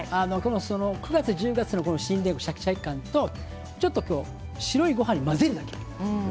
９月、１０月の新れんこんシャキシャキ感とちょっと白いごはんに混ぜるだけ。